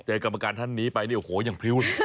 กรรมการท่านนี้ไปเนี่ยโอ้โหยังพริ้วเลย